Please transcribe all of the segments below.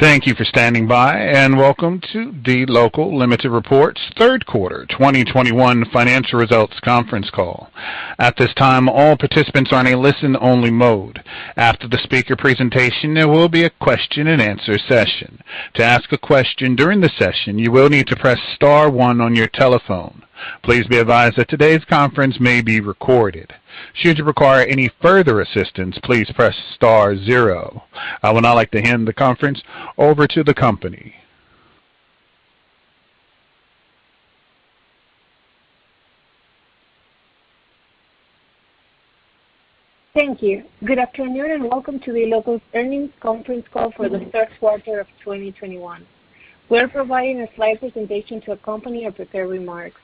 Thank you for standing by, and welcome to dLocal Limited reports third quarter 2021 financial results conference call. At this time, all participants are in a listen-only mode. After the speaker presentation, there will be a question and answer session. To ask a question during the session, you will need to press star one on your telephone. Please be advised that today's conference may be recorded. Should you require any further assistance, please press star zero. I would now like to hand the conference over to the company. Thank you. Good afternoon, and welcome to dLocal's earnings conference call for the third quarter of 2021. We're providing a slide presentation to accompany our prepared remarks.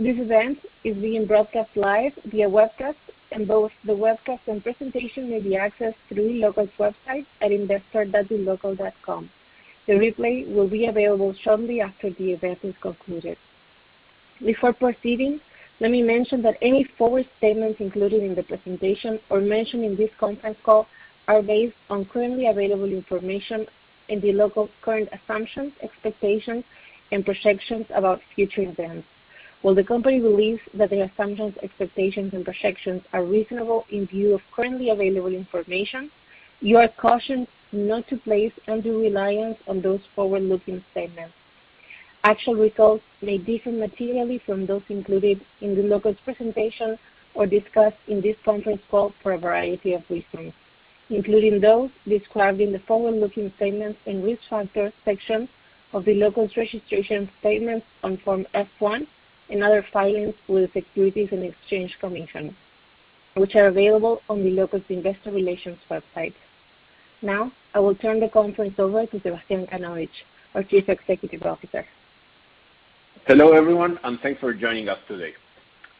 This event is being broadcast live via webcast, and both the webcast and presentation may be accessed through dLocal's website at investor.dlocal.com. The replay will be available shortly after the event is concluded. Before proceeding, let me mention that any forward-looking statements included in the presentation or mentioned in this conference call are based on currently available information and dLocal's current assumptions, expectations, and projections about future events. While the company believes that the assumptions, expectations, and projections are reasonable in view of currently available information, you are cautioned not to place undue reliance on those forward-looking statements. Actual results may differ materially from those included in dLocal's presentation or discussed in this conference call for a variety of reasons, including those described in the forward-looking statements and risk factors section of dLocal's registration statements on Form F-1 and other filings with the Securities and Exchange Commission, which are available on dLocal's investor relations website. Now, I will turn the conference over to Sebastián Kanovich, our Chief Executive Officer. Hello, everyone, and thanks for joining us today.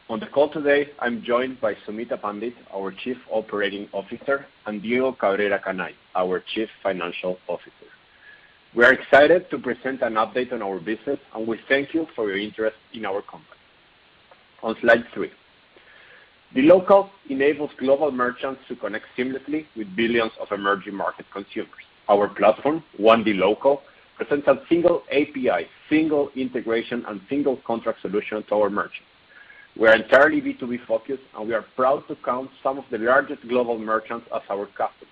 On the call today, I'm joined by Sumita Pandit, our Chief Operating Officer, and Diego Cabrera Canay, our Chief Financial Officer. We are excited to present an update on our business, and we thank you for your interest in our company. On slide three. dLocal enables global merchants to connect seamlessly with billions of emerging market consumers. Our platform, One dLocal, presents a single API, single integration, and single contract solution to our merchants. We're entirely B2B-focused, and we are proud to count some of the largest global merchants as our customers,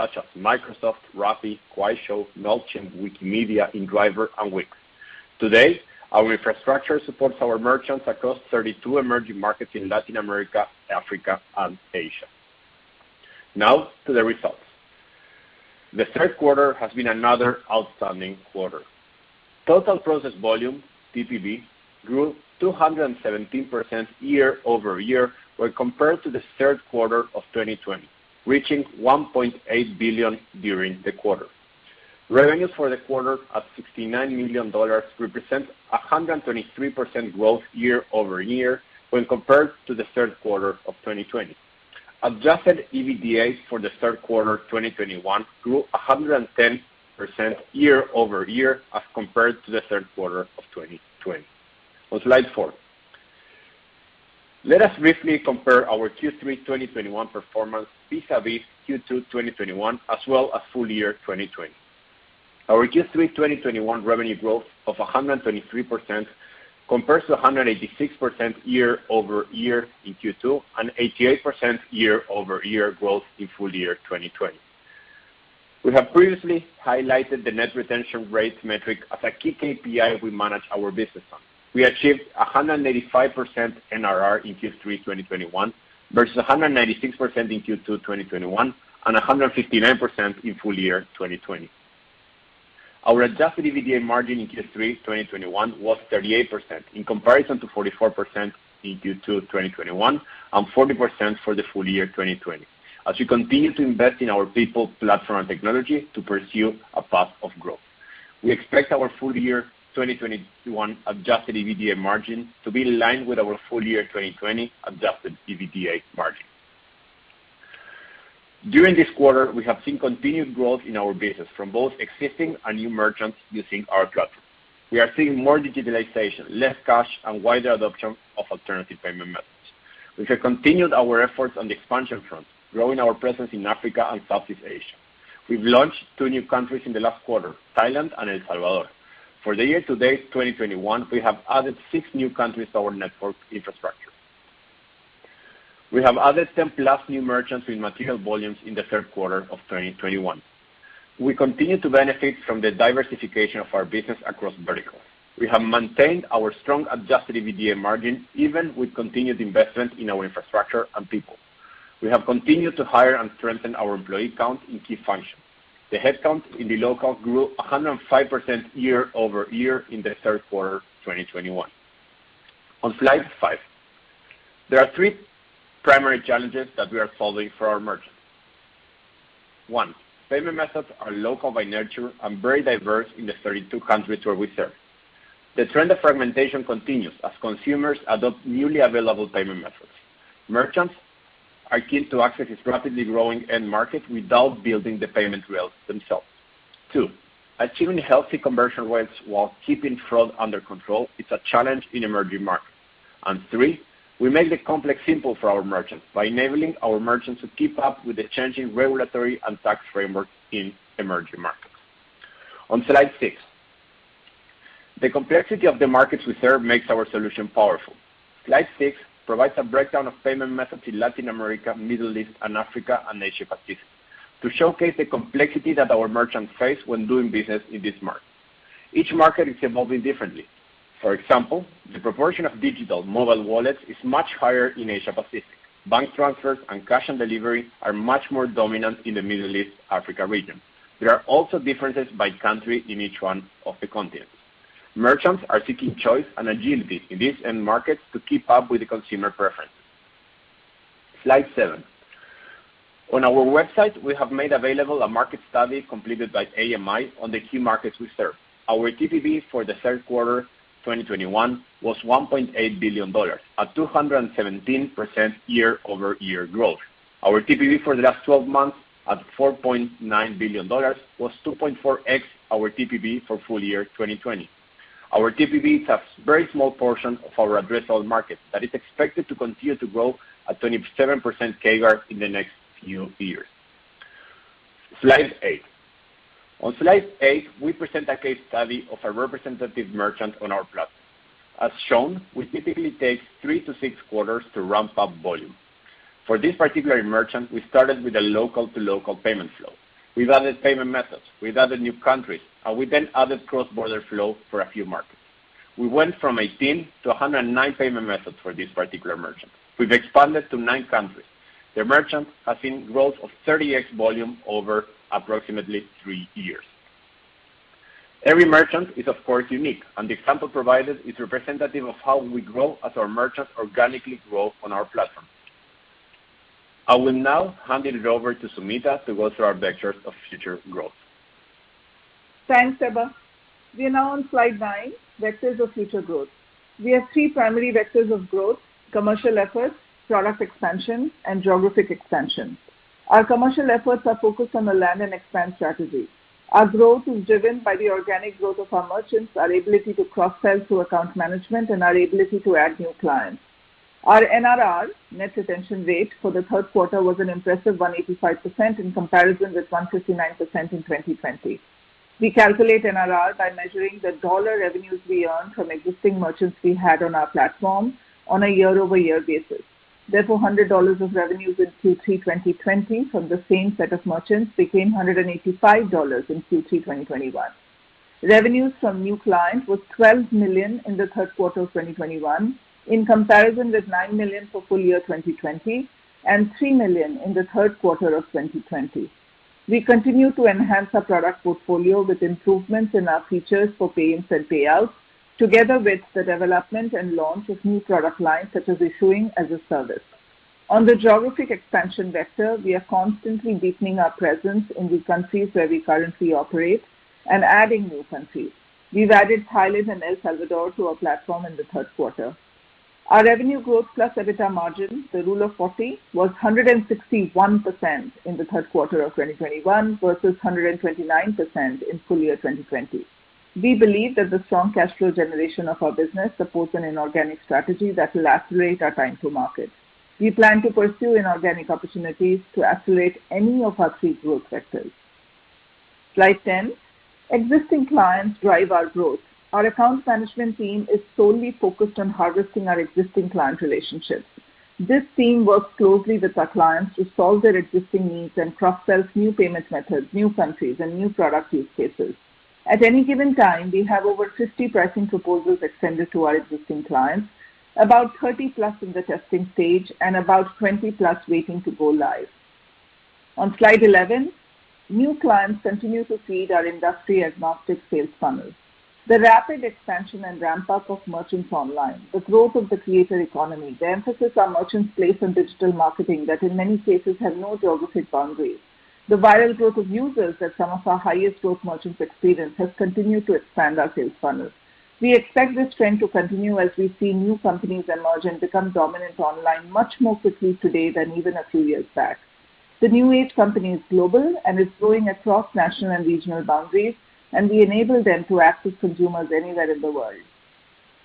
such as Microsoft, Rappi, Kuaishou, Mailchimp, Wikimedia, inDrive, and Wix. Today, our infrastructure supports our merchants across 32 emerging markets in Latin America, Africa, and Asia. Now to the results. The third quarter has been another outstanding quarter. Total processed volume, TPV, grew 217% year-over-year when compared to the third quarter of 2020, reaching $1.8 billion during the quarter. Revenues for the quarter at $69 million represents 123% growth year-over-year when compared to the third quarter of 2020. Adjusted EBITDA for the third quarter 2021 grew 110% year-over-year as compared to the third quarter of 2020. On slide four. Let us briefly compare our Q3 2021 performance vis-à-vis Q2 2021 as well as full year 2020. Our Q3 2021 revenue growth of 123% compares to 186% year-over-year in Q2 and 88% year-over-year growth in full year 2020. We have previously highlighted the net retention rates metric as a key KPI we manage our business on. We achieved 185% NRR in Q3 2021 versus 196% in Q2 2021 and 159% in full year 2020. Our adjusted EBITDA margin in Q3 2021 was 38% in comparison to 44% in Q2 2021 and 40% for the full year 2020. As we continue to invest in our people, platform, and technology to pursue a path of growth, we expect our full year 2021 adjusted EBITDA margin to be in line with our full year 2020 adjusted EBITDA margin. During this quarter, we have seen continued growth in our business from both existing and new merchants using our platform. We are seeing more digitalization, less cash, and wider adoption of alternative payment methods. We have continued our efforts on the expansion front, growing our presence in Africa and Southeast Asia. We've launched 2 new countries in the last quarter, Thailand and El Salvador. For the year to date, 2021, we have added 6 new countries to our network infrastructure. We have added 10+ new merchants with material volumes in the third quarter of 2021. We continue to benefit from the diversification of our business across verticals. We have maintained our strong adjusted EBITDA margin even with continued investment in our infrastructure and people. We have continued to hire and strengthen our employee count in key functions. The headcount in dLocal grew 105% year-over-year in the third quarter 2021. On slide 5. There are three primary challenges that we are solving for our merchants. One, payment methods are local by nature and very diverse in the 32 countries where we serve. The trend of fragmentation continues as consumers adopt newly available payment methods. Merchants are keen to access this rapidly growing end market without building the payment rails themselves. Two, achieving healthy conversion rates while keeping fraud under control is a challenge in emerging markets. Three, we make the complex simple for our merchants by enabling our merchants to keep up with the changing regulatory and tax framework in emerging markets. On slide 6. The complexity of the markets we serve makes our solution powerful. Slide 6 provides a breakdown of payment methods in Latin America, Middle East, and Africa, and Asia Pacific to showcase the complexity that our merchants face when doing business in this market. Each market is evolving differently. For example, the proportion of digital mobile wallets is much higher in Asia Pacific. Bank transfers and cash on delivery are much more dominant in the Middle East, Africa region. There are also differences by country in each one of the continents. Merchants are seeking choice and agility in these end markets to keep up with the consumer preference. Slide 7. On our website, we have made available a market study completed by AMI on the key markets we serve. Our TPV for the third quarter 2021 was $1.8 billion at 217% year-over-year growth. Our TPV for the last twelve months at $4.9 billion was 2.4x our TPV for full year 2020. Our TPV is a very small portion of our addressable market that is expected to continue to grow at 27% CAGR in the next few years. Slide 8. On slide 8, we present a case study of a representative merchant on our platform. As shown, we typically take 3-6 quarters to ramp up volume. For this particular merchant, we started with a local-to-local payment flow. We've added payment methods, we've added new countries, and we then added cross-border flow for a few markets. We went from 18-109 payment methods for this particular merchant. We've expanded to 9 countries. The merchant has seen growth of 30x volume over approximately 3 years. Every merchant is, of course, unique, and the example provided is representative of how we grow as our merchants organically grow on our platform. I will now hand it over to Sumita to go through our vectors of future growth. Thanks, Seba. We are now on slide 9, vectors of future growth. We have three primary vectors of growth: commercial efforts, product expansion and geographic expansion. Our commercial efforts are focused on the land and expand strategy. Our growth is driven by the organic growth of our merchants, our ability to cross-sell to account management, and our ability to add new clients. Our NRR, net retention rate, for the third quarter was an impressive 185% in comparison with 159% in 2020. We calculate NRR by measuring the dollar revenues we earn from existing merchants we had on our platform on a year-over-year basis. Therefore, $100 of revenues in Q3 2020 from the same set of merchants became $185 in Q3 2021. Revenues from new clients was $12 million in the third quarter of 2021, in comparison with $9 million for full year 2020 and $3 million in the third quarter of 2020. We continue to enhance our product portfolio with improvements in our features for payments and payouts, together with the development and launch of new product lines such as Issuing-as-a-Service. On the geographic expansion vector, we are constantly deepening our presence in the countries where we currently operate and adding new countries. We've added Thailand and El Salvador to our platform in the third quarter. Our revenue growth plus EBITDA margin, the rule of 40, was 161% in the third quarter of 2021 versus 129% in full year 2020. We believe that the strong cash flow generation of our business supports an inorganic strategy that will accelerate our time to market. We plan to pursue inorganic opportunities to accelerate any of our three growth vectors. Slide 10. Existing clients drive our growth. Our account management team is solely focused on harvesting our existing client relationships. This team works closely with our clients to solve their existing needs and cross-sells new payment methods, new countries, and new product use cases. At any given time, we have over 50 pricing proposals extended to our existing clients, about 30+ in the testing stage and about 20+ waiting to go live. On Slide 11, new clients continue to feed our industry-adjacent sales funnel. The rapid expansion and ramp-up of merchants online, the growth of the creator economy, the emphasis our merchants place on digital marketing that in many cases have no geographic boundaries. The viral growth of users that some of our highest growth merchants experience has continued to expand our sales funnel. We expect this trend to continue as we see new companies emerge and become dominant online much more quickly today than even a few years back. The New Age company is global and is growing across national and regional boundaries, and we enable them to access consumers anywhere in the world.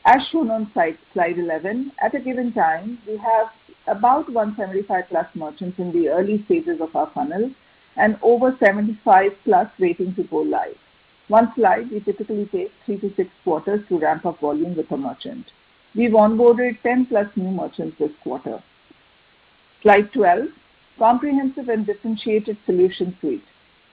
As shown on slide 11, at a given time, we have about 175+ merchants in the early stages of our funnel and over 75+ waiting to go live. On slide, we typically take 3-6 quarters to ramp up volume with a merchant. We've onboarded 10+ new merchants this quarter. Slide 12, comprehensive and differentiated solution suite.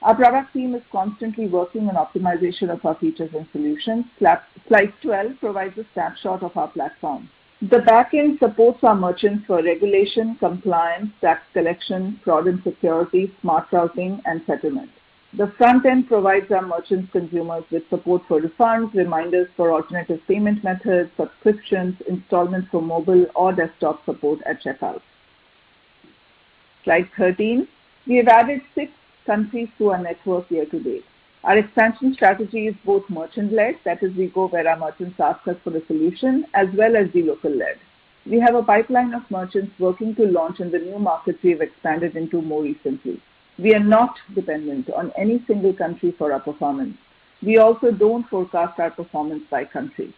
Our product team is constantly working on optimization of our features and solutions. Slide 12 provides a snapshot of our platform. The back end supports our merchants for regulation, compliance, tax collection, fraud and security, smart routing, and settlement. The front end provides our merchants consumers with support for refunds, reminders for alternative payment methods, subscriptions, installments for mobile or desktop support at checkout. Slide 13. We have added 6 countries to our network year to date. Our expansion strategy is both merchant-led, that is we go where our merchants ask us for a solution, as well as locally led. We have a pipeline of merchants working to launch in the new markets we've expanded into more recently. We are not dependent on any single country for our performance. We also don't forecast our performance by country.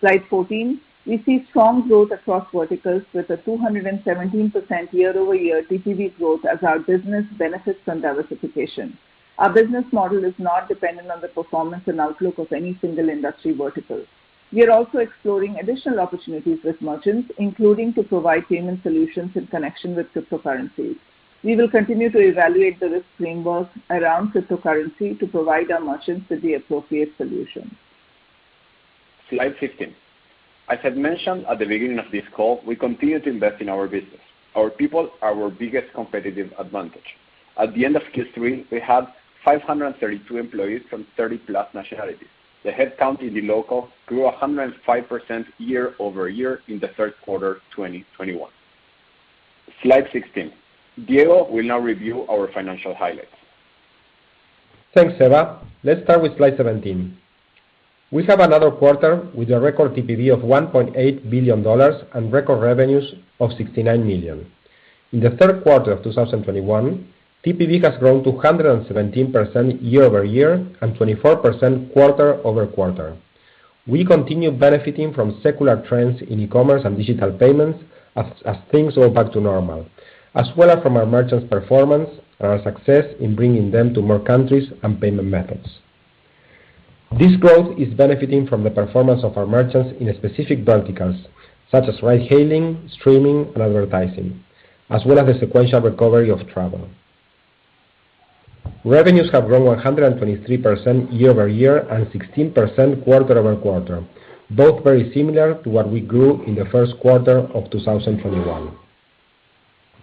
Slide 14, we see strong growth across verticals with a 217% year-over-year TPV growth as our business benefits from diversification. Our business model is not dependent on the performance and outlook of any single industry vertical. We are also exploring additional opportunities with merchants, including to provide payment solutions in connection with cryptocurrencies. We will continue to evaluate the risk frameworks around cryptocurrency to provide our merchants with the appropriate solutions. Slide 15. As I mentioned at the beginning of this call, we continue to invest in our business. Our people are our biggest competitive advantage. At the end of Q3, we had 532 employees from 30+ nationalities. The headcount in dLocal grew 105% year-over-year in the third quarter 2021. Slide 16. Diego will now review our financial highlights. Thanks, Seba. Let's start with slide 17. We have another quarter with a record TPV of $1.8 billion and record revenues of $69 million. In the third quarter of 2021, TPV has grown to 217% year-over-year and 24% quarter-over-quarter. We continue benefiting from secular trends in e-commerce and digital payments as things go back to normal, as well as from our merchants' performance and our success in bringing them to more countries and payment methods. This growth is benefiting from the performance of our merchants in specific verticals, such as ride hailing, streaming, and advertising, as well as the sequential recovery of travel. Revenues have grown 123% year-over-year and 16% quarter-over-quarter, both very similar to what we grew in the first quarter of 2021.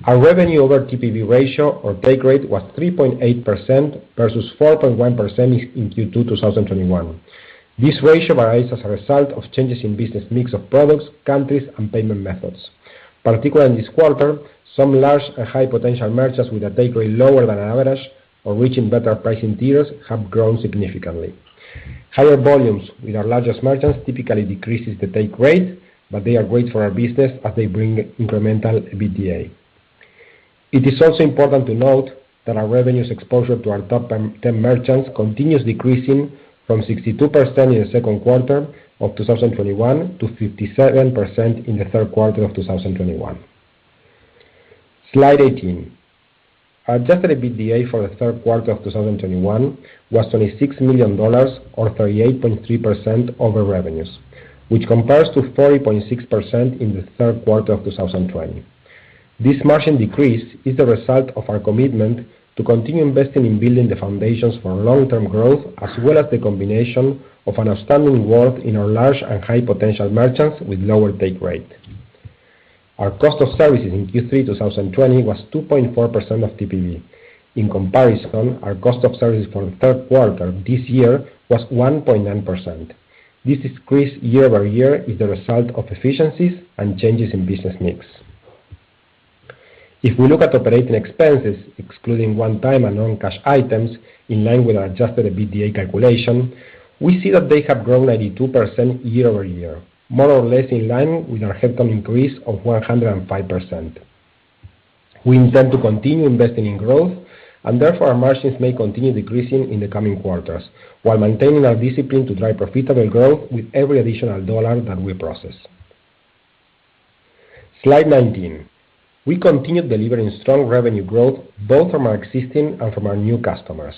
Our revenue over TPV ratio or take rate was 3.8% versus 4.1% in Q2 2021. This ratio varies as a result of changes in business mix of products, countries, and payment methods. Particularly in this quarter, some large and high potential merchants with a take rate lower than average or reaching better pricing tiers have grown significantly. Higher volumes with our largest merchants typically decreases the take rate, but they are great for our business as they bring incremental EBITDA. It is also important to note that our revenues exposure to our top ten merchants continues decreasing from 62% in the second quarter of 2021 to 57% in the third quarter of 2021. Slide 18. Adjusted EBITDA for the third quarter of 2021 was $26 million or 38.3% over revenues, which compares to 40.6% in the third quarter of 2020. This margin decrease is the result of our commitment to continue investing in building the foundations for long-term growth, as well as the combination of an outstanding growth in our large and high potential merchants with lower take rate. Our cost of services in Q3 2020 was 2.4% of TPV. In comparison, our cost of services for the third quarter this year was 1.9%. This decrease year-over-year is the result of efficiencies and changes in business mix. If we look at operating expenses, excluding one time and non-cash items in line with our adjusted EBITDA calculation, we see that they have grown 92% year-over-year, more or less in line with our headcount increase of 105%. We intend to continue investing in growth, and therefore our margins may continue decreasing in the coming quarters while maintaining our discipline to drive profitable growth with every additional dollar that we process. Slide 19. We continue delivering strong revenue growth both from our existing and from our new customers.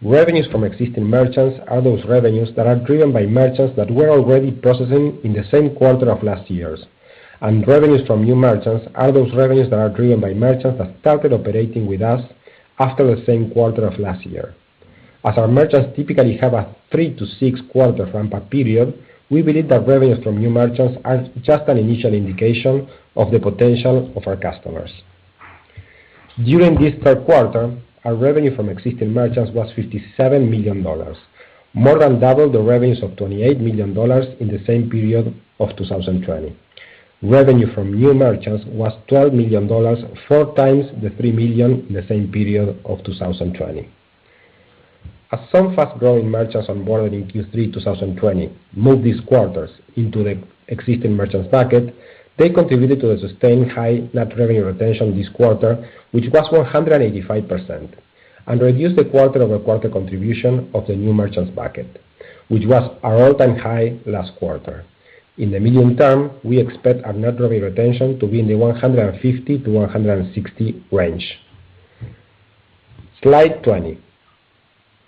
Revenues from existing merchants are those revenues that are driven by merchants that we're already processing in the same quarter of last year's. Revenues from new merchants are those revenues that are driven by merchants that started operating with us after the same quarter of last year. As our merchants typically have a 3-6 quarter ramp-up period, we believe that revenues from new merchants are just an initial indication of the potential of our customers. During this third quarter, our revenue from existing merchants was $57 million, more than double the revenues of $28 million in the same period of 2020. Revenue from new merchants was $12 million, four times the $3 million in the same period of 2020. As some fast-growing merchants onboarding Q3 2020 moved these quarters into the existing merchants bucket, they contributed to the sustained high net revenue retention this quarter, which was 185%, and reduced the quarter-over-quarter contribution of the new merchants bucket, which was our all-time high last quarter. In the medium term, we expect our net revenue retention to be in the 150-160 range. Slide 20.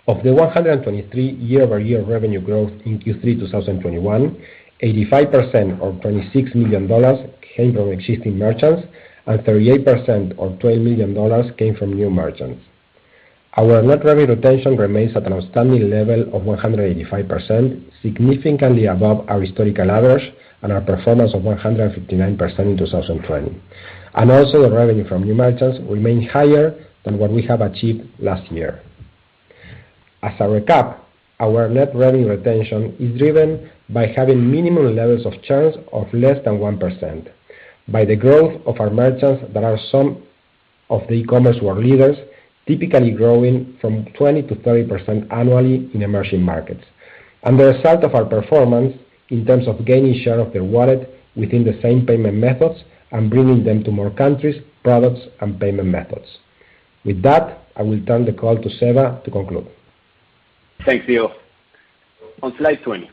Of the 123% year-over-year revenue growth in Q3 2021, 85% or $26 million came from existing merchants, and 38% or $12 million came from new merchants. Our net revenue retention remains at an outstanding level of 185%, significantly above our historical average and our performance of 159% in 2020. Also the revenue from new merchants remain higher than what we have achieved last year. As a recap, our net revenue retention is driven by having minimum levels of churns of less than 1%, by the growth of our merchants that are some of the e-commerce world leaders typically growing from 20%-30% annually in emerging markets. The result of our performance in terms of gaining share of their wallet within the same payment methods and bringing them to more countries, products, and payment methods. With that, I will turn the call to Seba to conclude. Thanks, Diego. On slide 20,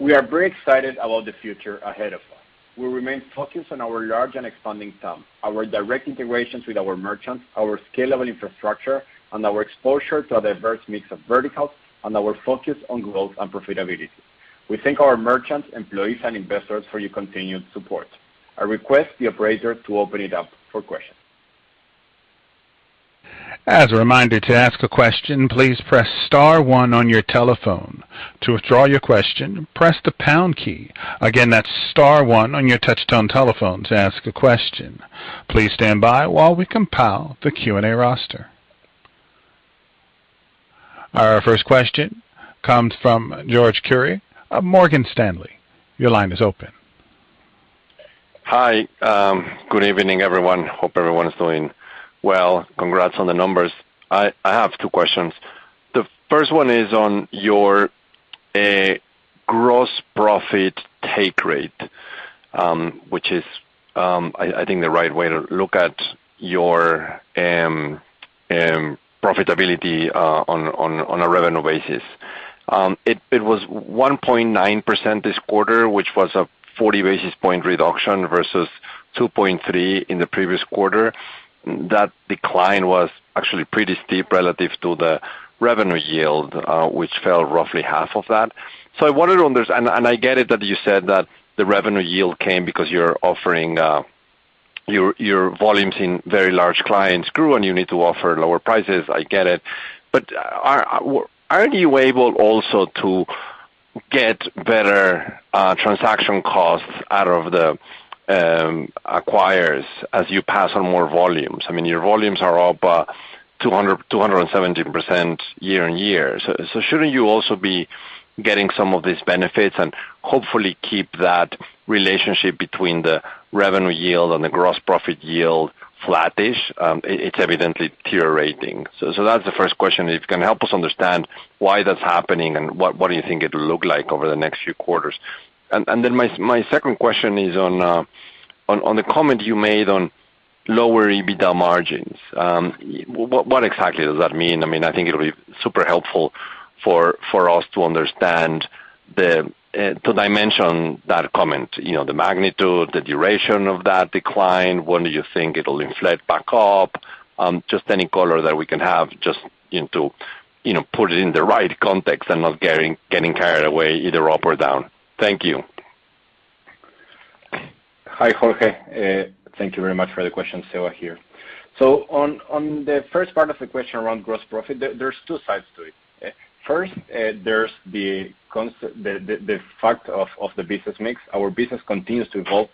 we are very excited about the future ahead of us. We remain focused on our large and expanding TAM, our direct integrations with our merchants, our scalable infrastructure, and our exposure to a diverse mix of verticals, and our focus on growth and profitability. We thank our merchants, employees, and investors for your continued support. I request the operator to open it up for questions. Our first question comes from Jorge Kuri of Morgan Stanley. Your line is open. Hi. Good evening, everyone. Hope everyone is doing well. Congrats on the numbers. I have two questions. The first one is on your gross profit take rate, which is, I think the right way to look at your profitability on a revenue basis. It was 1.9% this quarter, which was a 40 basis point reduction versus 2.3% in the previous quarter. That decline was actually pretty steep relative to the revenue yield, which fell roughly half of that. So I wondered on this. I get it that you said that the revenue yield came because your volumes in very large clients grew, and you need to offer lower prices. I get it. Aren't you able also to get better transaction costs out of the acquirers as you pass on more volumes? I mean, your volumes are up 217% year-on-year. Shouldn't you also be getting some of these benefits and hopefully keep that relationship between the revenue yield and the gross profit yield flattish? It's evidently deteriorating. That's the first question. If you can help us understand why that's happening and what do you think it'll look like over the next few quarters. Then my second question is on the comment you made on lower EBITDA margins. What exactly does that mean? I mean, I think it'll be super helpful for us to understand the to dimension that comment, you know, the magnitude, the duration of that decline. When do you think it'll inflate back up? Just any color that we can have just into, you know, put it in the right context and not getting carried away either up or down. Thank you. Hi, Jorge. Thank you very much for the question. Seba here. On the first part of the question around gross profit, there's two sides to it. First, there's the fact of the business mix. Our business continues to evolve.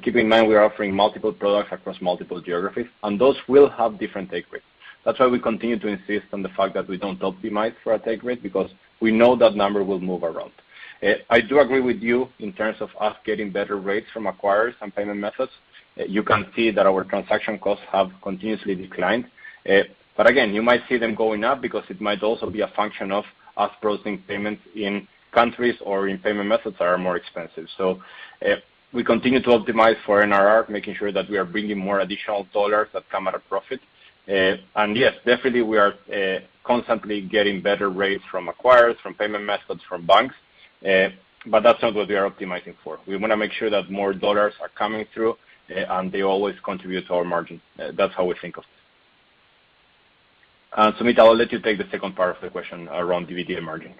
Keep in mind, we are offering multiple products across multiple geographies, and those will have different take rates. That's why we continue to insist on the fact that we don't optimize for our take rate because we know that number will move around. I do agree with you in terms of us getting better rates from acquirers and payment methods. You can see that our transaction costs have continuously declined. Again, you might see them going up because it might also be a function of us processing payments in countries or in payment methods that are more expensive. We continue to optimize for NRR, making sure that we are bringing more additional dollars that come out of profit. Yes, definitely we are constantly getting better rates from acquirers, from payment methods, from banks. That's not what we are optimizing for. We wanna make sure that more dollars are coming through, and they always contribute to our margin. That's how we think of it. Sumita, I will let you take the second part of the question around EBITDA margin.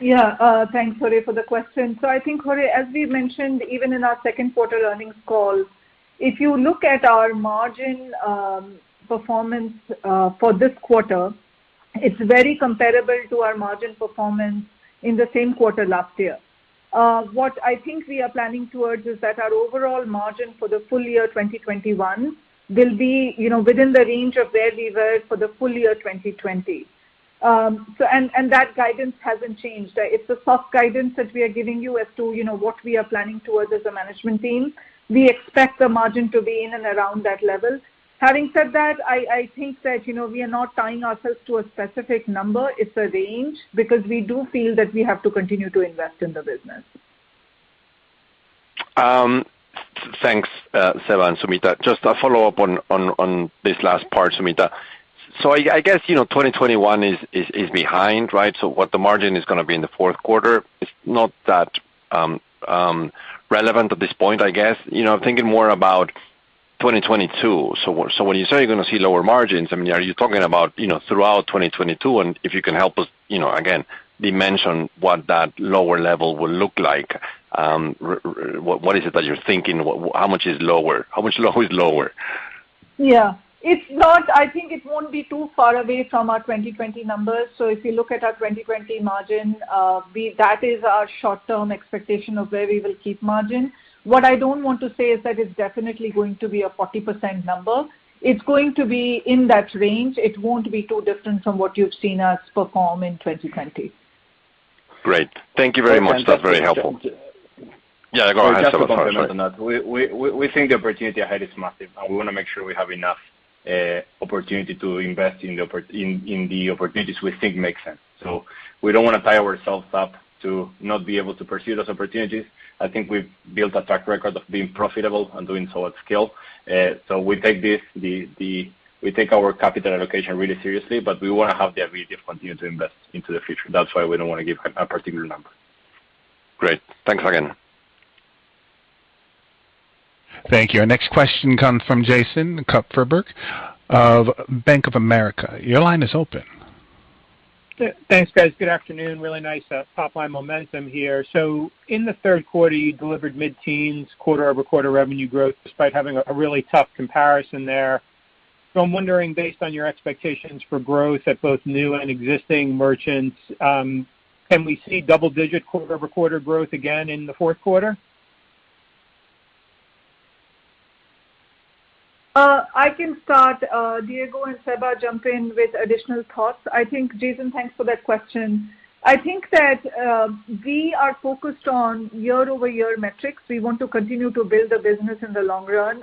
Yeah. Thanks, Jorge, for the question. I think, Jorge, as we mentioned, even in our second quarter earnings call, if you look at our margin performance for this quarter, it's very comparable to our margin performance in the same quarter last year. What I think we are planning towards is that our overall margin for the full year 2021 will be, you know, within the range of where we were for the full year 2020. That guidance hasn't changed. It's a soft guidance that we are giving you as to, you know, what we are planning towards as a management team. We expect the margin to be in and around that level. Having said that, I think that, you know, we are not tying ourselves to a specific number. It's a range because we do feel that we have to continue to invest in the business. Thanks, Seba and Sumita. Just a follow-up on this last part, Sumita. I guess, you know, 2021 is behind, right? What the margin is gonna be in the fourth quarter is not that relevant at this point, I guess. You know, I'm thinking more about 2022. When you say you're gonna see lower margins, I mean, are you talking about, you know, throughout 2022? If you can help us, you know, again, dimension what that lower level will look like. What is it that you're thinking? How much is lower? How much low is lower? Yeah. I think it won't be too far away from our 2020 numbers. If you look at our 2020 margin, that is our short-term expectation of where we will keep margin. What I don't want to say is that it's definitely going to be a 40% number. It's going to be in that range. It won't be too different from what you've seen us perform in 2020. Great. Thank you very much. That's very helpful. Yeah, go ahead Seba. Sorry. Just to comment on that. We think the opportunity ahead is massive, and we want to make sure we have enough opportunity to invest in the opportunities we think make sense. We don't want to tie ourselves up to not be able to pursue those opportunities. I think we've built a track record of being profitable and doing so at scale. We take our capital allocation really seriously, but we wanna have the ability to continue to invest into the future. That's why we don't wanna give a particular number. Great. Thanks again. Thank you. Our next question comes from Jason Kupferberg of Bank of America. Your line is open. Thanks, guys. Good afternoon. Really nice top-line momentum here. In the third quarter, you delivered mid-teens quarter-over-quarter revenue growth despite having a really tough comparison there. I'm wondering, based on your expectations for growth at both new and existing merchants, can we see double-digit quarter-over-quarter growth again in the fourth quarter? I can start. Diego and Seba jump in with additional thoughts. I think, Jason, thanks for that question. I think that, we are focused on year-over-year metrics. We want to continue to build the business in the long run.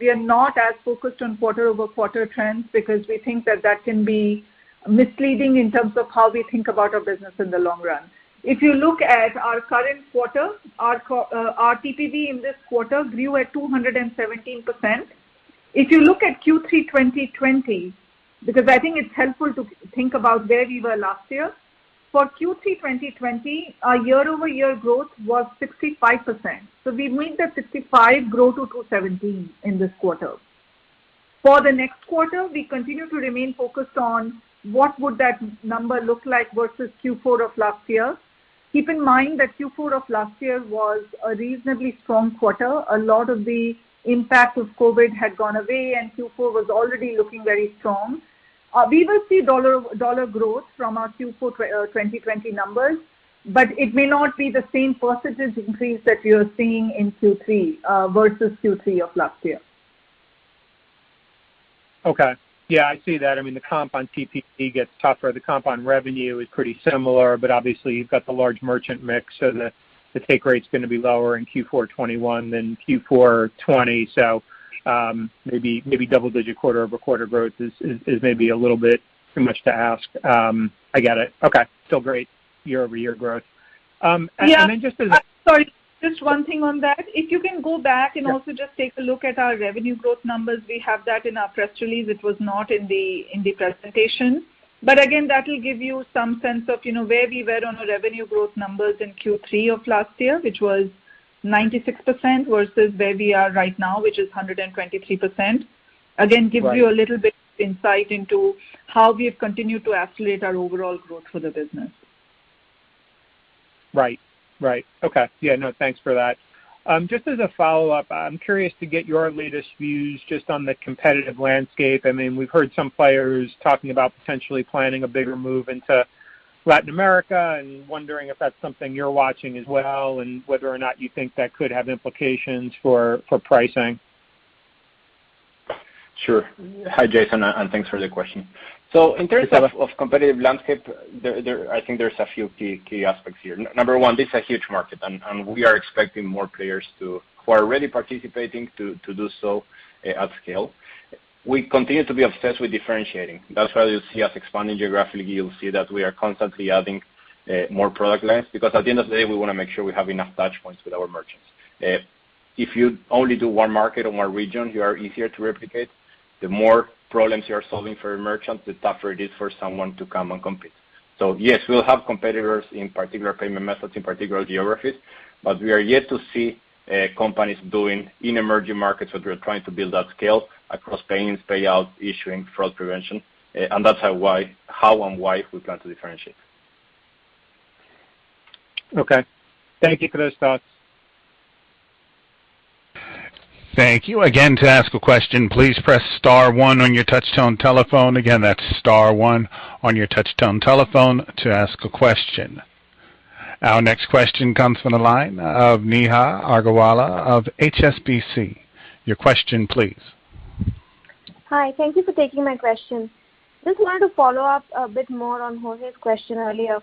We are not as focused on quarter-over-quarter trends because we think that that can be misleading in terms of how we think about our business in the long run. If you look at our current quarter, our TPV in this quarter grew at 217%. If you look at Q3 2020, because I think it is helpful to think about where we were last year. For Q3 2020, our year-over-year growth was 65%. We made that 65% grow to 217% in this quarter. For the next quarter, we continue to remain focused on what would that number look like versus Q4 of last year. Keep in mind that Q4 of last year was a reasonably strong quarter. A lot of the impact of COVID had gone away, and Q4 was already looking very strong. We will see dollar growth from our Q4 2020 numbers, but it may not be the same percentage increase that you're seeing in Q3 versus Q3 of last year. Okay. Yeah, I see that. I mean, the comp on TPV gets tougher. The comp on revenue is pretty similar, but obviously you've got the large merchant mix, so the take rate's gonna be lower in Q4 2021 than Q4 2020. Maybe double-digit quarter-over-quarter growth is maybe a little bit too much to ask. I get it. Okay. Still great year-over-year growth. And then just as- Yeah. Sorry, just one thing on that. If you can go back and also just take a look at our revenue growth numbers. We have that in our press release. It was not in the presentation. But again, that will give you some sense of, you know, where we were on our revenue growth numbers in Q3 of last year, which was 96%, versus where we are right now, which is 123%. Again, gives you a little bit insight into how we have continued to escalate our overall growth for the business. Right. Okay. Yeah, no, thanks for that. Just as a follow-up, I'm curious to get your latest views just on the competitive landscape. I mean, we've heard some players talking about potentially planning a bigger move into Latin America and wondering if that's something you're watching as well, and whether or not you think that could have implications for pricing. Sure. Hi, Jason, and thanks for the question. In terms of competitive landscape, I think there's a few key aspects here. Number one, this is a huge market, and we are expecting more players who are already participating to do so at scale. We continue to be obsessed with differentiating. That's why you'll see us expanding geographically. You'll see that we are constantly adding more product lines because at the end of the day, we wanna make sure we have enough touch points with our merchants. If you only do one market or one region, you are easier to replicate. The more problems you are solving for your merchants, the tougher it is for someone to come and compete. Yes, we'll have competitors in particular payment methods, in particular geographies, but we are yet to see companies doing in emerging markets that we're trying to build at scale across payments, payouts, issuing, fraud prevention, and that's how, why, how and why we plan to differentiate. Okay. Thank you for those thoughts. Thank you. Again, to ask a question, please press star one on your touchtone telephone. Again, that's star one on your touchtone telephone to ask a question. Our next question comes from the line of Neha Agarwala of HSBC. Your question please. Hi. Thank you for taking my question. Just wanted to follow up a bit more on Jorge's question earlier.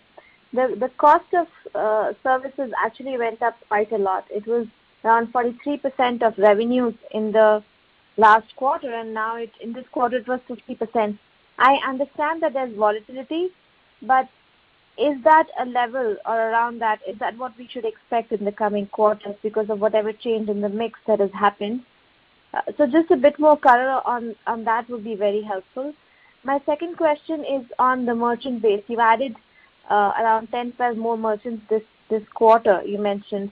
The cost of services actually went up quite a lot. It was around 43% of revenues in the last quarter, and now in this quarter it was 50%. I understand that there's volatility, but is that a level or around that what we should expect in the coming quarters because of whatever change in the mix that has happened? So just a bit more color on that would be very helpful. My second question is on the merchant base. You've added around 10-12 more merchants this quarter, you mentioned.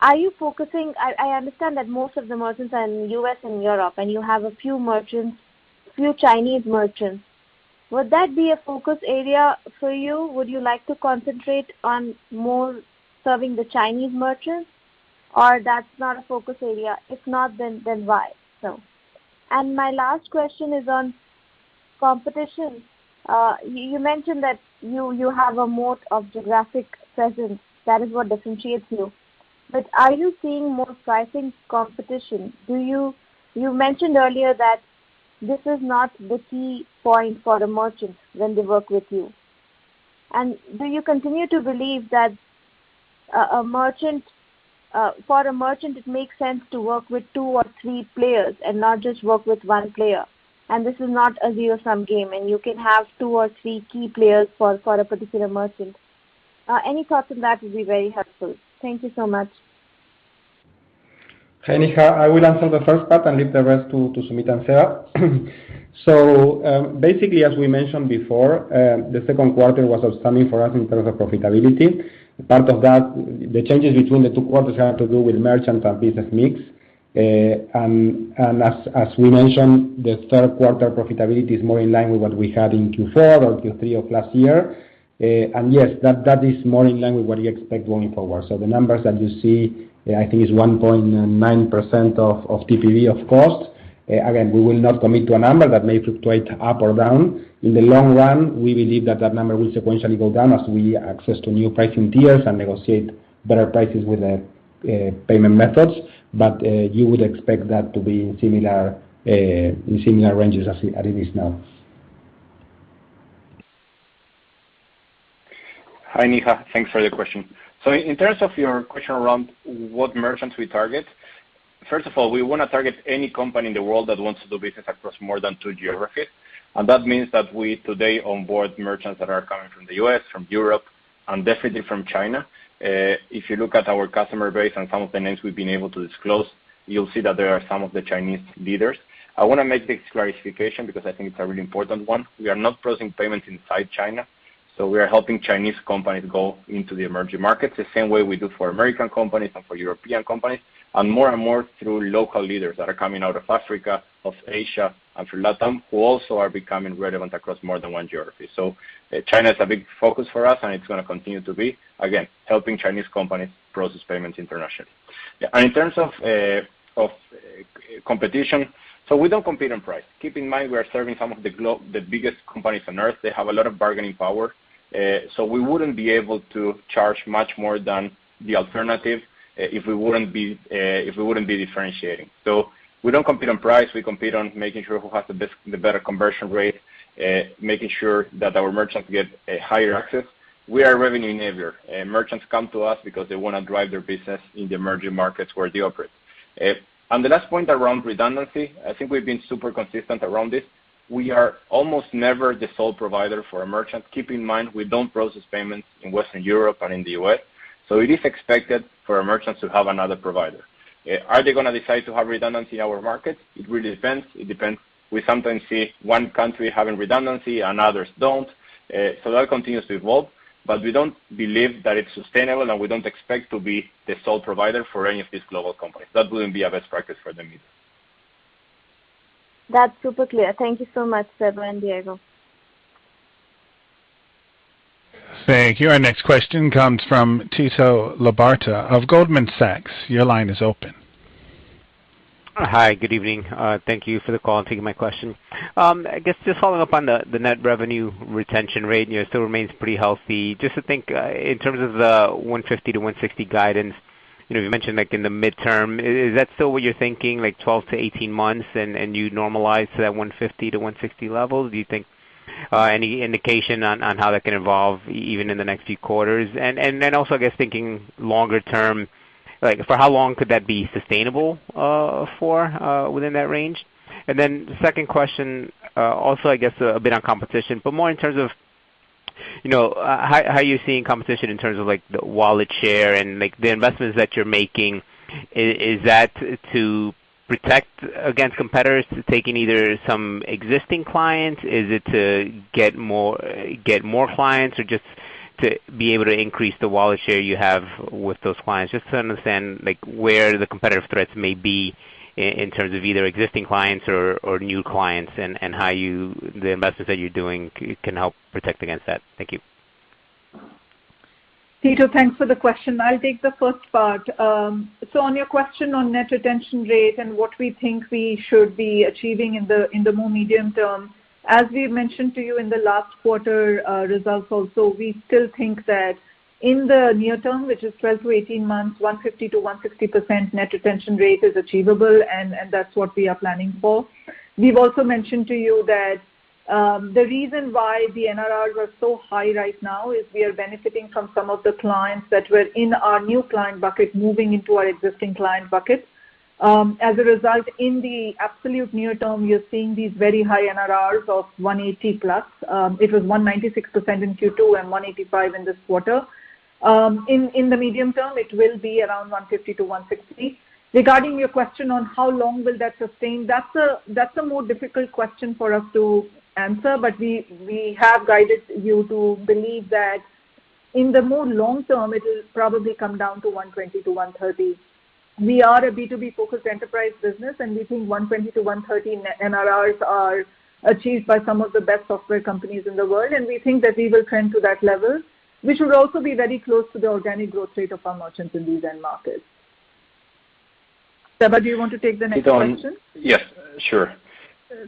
Are you focusing? I understand that most of the merchants are in U.S. and Europe, and you have a few merchants, a few Chinese merchants. Would that be a focus area for you? Would you like to concentrate on more serving the Chinese merchants, or that's not a focus area? If not, then why so? My last question is on competition. You mentioned that you have a moat of geographic presence. That is what differentiates you. But are you seeing more pricing competition? Do you? You mentioned earlier that this is not the key point for the merchants when they work with you. Do you continue to believe that for a merchant, it makes sense to work with two or three players and not just work with one player? This is not a zero-sum game, and you can have two or three key players for a particular merchant. Any thoughts on that would be very helpful. Thank you so much. Hi, Neha. I will answer the first part and leave the rest to Sumita and Seba. Basically, as we mentioned before, the second quarter was outstanding for us in terms of profitability. Part of that, the changes between the two quarters had to do with merchant and business mix. And as we mentioned, the third quarter profitability is more in line with what we had in Q4 or Q3 of last year. Yes, that is more in line with what you expect going forward. The numbers that you see, I think is 1.9% of TPV of cost. Again, we will not commit to a number that may fluctuate up or down. In the long run, we believe that number will sequentially go down as we access to new pricing tiers and negotiate better prices with the payment methods. You would expect that to be in similar ranges as it is now. Hi, Neha. Thanks for your question. In terms of your question around what merchants we target, first of all, we wanna target any company in the world that wants to do business across more than two geographies. That means that we today onboard merchants that are coming from the U.S., from Europe, and definitely from China. If you look at our customer base and some of the names we've been able to disclose, you'll see that there are some of the Chinese leaders. I wanna make this clarification because I think it's a really important one. We are not processing payments inside China, so we are helping Chinese companies go into the emerging markets, the same way we do for American companies and for European companies, and more and more through local leaders that are coming out of Africa, of Asia, and through LatAm, who also are becoming relevant across more than one geography. China is a big focus for us, and it's gonna continue to be, again, helping Chinese companies process payments internationally. Yeah. In terms of competition, we don't compete on price. Keep in mind, we are serving some of the biggest companies on Earth. They have a lot of bargaining power. We wouldn't be able to charge much more than the alternative if we wouldn't be differentiating. We don't compete on price. We compete on the better conversion rate, making sure that our merchants get a higher access. We are revenue enabler. Merchants come to us because they wanna drive their business in the emerging markets where they operate. The last point around redundancy, I think we've been super consistent around this. We are almost never the sole provider for a merchant. Keep in mind, we don't process payments in Western Europe and in the U.S., so it is expected for our merchants to have another provider. Are they gonna decide to have redundancy in our market? It really depends. We sometimes see one country having redundancy and others don't. That continues to evolve, but we don't believe that it's sustainable, and we don't expect to be the sole provider for any of these global companies. That wouldn't be a best practice for them either. That's super clear. Thank you so much, Seba and Diego. Thank you. Our next question comes from Tito Labarta of Goldman Sachs. Your line is open. Hi. Good evening. Thank you for the call and taking my question. I guess just following up on the net revenue retention rate, you know, it still remains pretty healthy. Just to think in terms of the 150%-160% guidance, you know, you mentioned, like, in the medium term, is that still what you're thinking, like 12-18 months and you normalize to that 150%-160% level? Do you think any indication on how that can evolve even in the next few quarters? Then also, I guess thinking longer term, like for how long could that be sustainable within that range? Then the second question, also I guess a bit on competition, but more in terms of, you know, how you're seeing competition in terms of like the wallet share and like the investments that you're making. Is that to protect against competitors taking either some existing clients? Is it to get more clients or just to be able to increase the wallet share you have with those clients? Just to understand, like, where the competitive threats may be in terms of either existing clients or new clients and how the investments that you're doing can help protect against that. Thank you. Tito, thanks for the question. I'll take the first part. So on your question on net retention rate and what we think we should be achieving in the more medium term, as we mentioned to you in the last quarter results also, we still think that in the near term, which is 12-18 months, 150%-160% net retention rate is achievable, and that's what we are planning for. We've also mentioned to you that the reason why the NRR was so high right now is we are benefiting from some of the clients that were in our new client bucket moving into our existing client bucket. As a result, in the absolute near term, you're seeing these very high NRR of 180%+. It was 196% in Q2 and 185% in this quarter. In the medium term, it will be around 150%-160%. Regarding your question on how long will that sustain, that's a more difficult question for us to answer, but we have guided you to believe that in the more long term, it'll probably come down to 120%-130%. We are a B2B-focused enterprise business, and we think 120%-130% NRRs are achieved by some of the best software companies in the world, and we think that we will trend to that level, which would also be very close to the organic growth rate of our merchants in these end markets. Seba, do you want to take the next question? Tito. Yes, sure.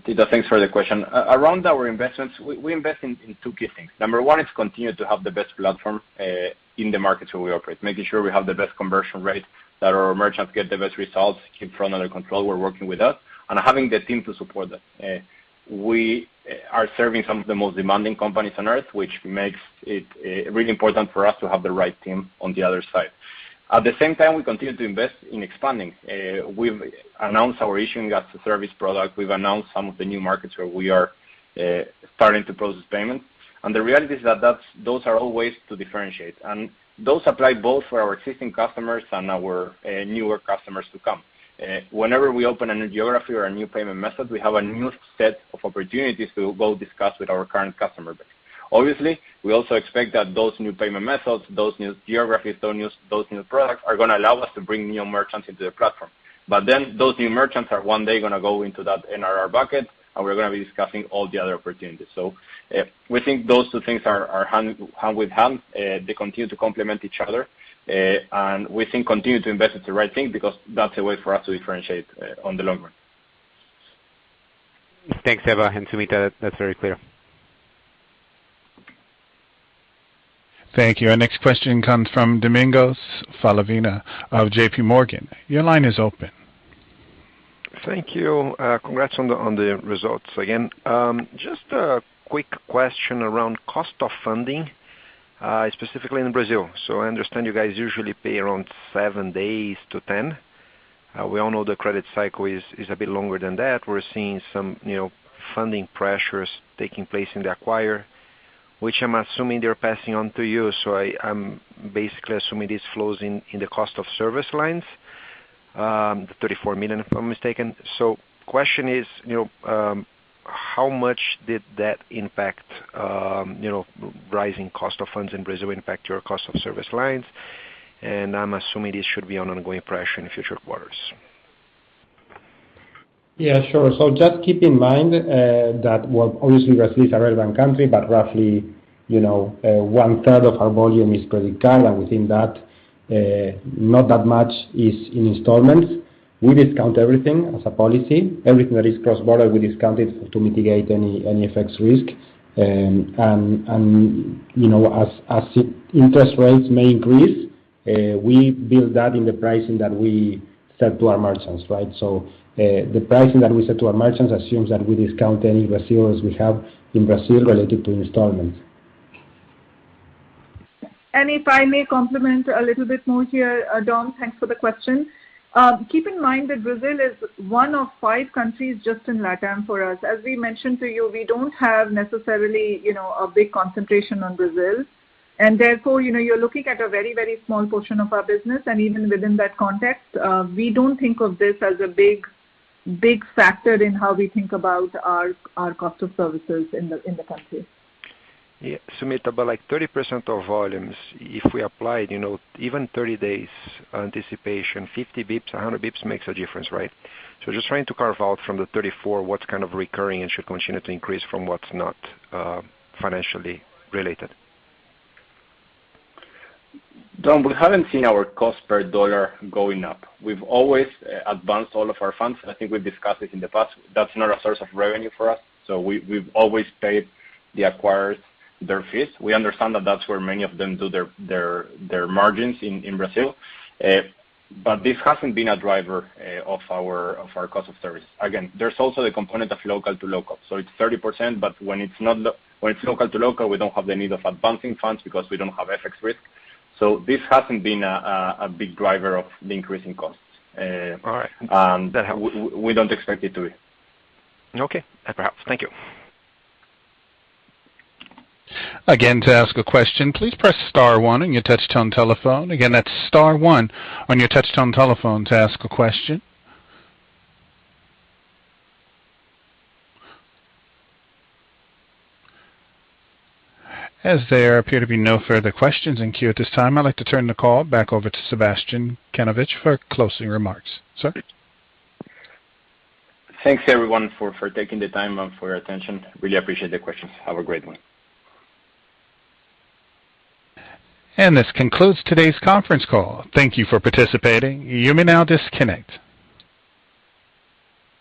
Tito, thanks for the question. Around our investments, we invest in two key things. Number one is continue to have the best platform in the markets where we operate, making sure we have the best conversion rate, that our merchants get the best results, keep fraud under control while working with us, and having the team to support that. We are serving some of the most demanding companies on Earth, which makes it really important for us to have the right team on the other side. At the same time, we continue to invest in expanding. We've announced our Issuing-as-a-Service product. We've announced some of the new markets where we are starting to process payments. The reality is that those are all ways to differentiate. Those apply both for our existing customers and our newer customers to come. Whenever we open a new geography or a new payment method, we have a new set of opportunities to go discuss with our current customer base. Obviously, we also expect that those new payment methods, those new geographies, those new products are gonna allow us to bring new merchants into the platform. Then those new merchants are one day gonna go into that NRR bucket, and we're gonna be discussing all the other opportunities. We think those two things are hand in hand. They continue to complement each other. We think it's the right thing to continue to invest because that's a way for us to differentiate in the long run. Thanks, Seba and Sumita. That's very clear. Thank you. Our next question comes from Domingos Falavina of JPMorgan. Your line is open. Thank you. Congrats on the results again. Just a quick question around cost of funding, specifically in Brazil. I understand you guys usually pay around 7 days to 10. We all know the credit cycle is a bit longer than that. We're seeing some, you know, funding pressures taking place in the acquirer, which I'm assuming they're passing on to you. I'm basically assuming this flows in the cost of service lines, $34 million, if I'm not mistaken. Question is, you know, how much did that impact rising cost of funds in Brazil impact your cost of service lines? I'm assuming this should be an ongoing pressure in future quarters. Yeah, sure. Just keep in mind that, obviously, Brazil is a relevant country, but roughly, you know, 1/3 of our volume is credit card, and within that, not that much is in installments. We discount everything as a policy. Everything that is cross-border, we discount it to mitigate any FX risk. And you know, as interest rates may increase, we build that in the pricing that we sell to our merchants, right? The pricing that we sell to our merchants assumes that we discount any receivables we have in Brazil related to installments. If I may complement a little bit more here, Dom, thanks for the question. Keep in mind that Brazil is one of five countries just in LatAm for us. As we mentioned to you, we don't have necessarily, you know, a big concentration on Brazil. Therefore, you know, you're looking at a very, very small portion of our business. Even within that context, we don't think of this as a big, big factor in how we think about our cost of services in the, in the country. Yeah, Sumita, like 30% of volumes, if we applied, you know, even 30 days anticipation, 50 basis points, 100 basis points makes a difference, right? Just trying to carve out from the 34, what's kind of recurring and should continue to increase from what's not financially related. Dom, we haven't seen our cost per dollar going up. We've always advanced all of our funds. I think we've discussed this in the past. That's not a source of revenue for us, so we've always paid the acquirers their fees. We understand that that's where many of them do their margins in Brazil. This hasn't been a driver of our cost of service. Again, there's also the component of local to local. It's 30%, but when it's local to local, we don't have the need of advancing funds because we don't have FX risk. This hasn't been a big driver of the increase in costs. All right. We don't expect it to be. Okay. Perhaps. Thank you. As there appear to be no further questions in queue at this time, I'd like to turn the call back over to Sebastián Kanovich for closing remarks. Sir? Thanks everyone for taking the time and for your attention. I really appreciate the questions. Have a great one. This concludes today's conference call. Thank you for participating. You may now disconnect.